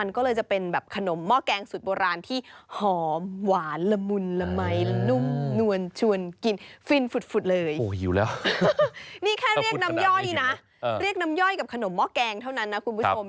นี่แค่เรียกน้ำย่อยนะเรียกน้ำย่อยกับขนมหม้อแกงเท่านั้นนะคุณผู้ชม